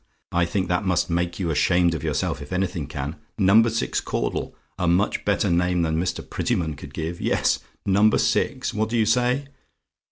I think that must make you ashamed of yourself if anything can. Number Six Caudle a much better name than Mr. Prettyman could give; yes, Number Six. What do you say?